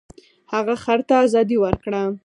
هغه خر ته ازادي ورکړه.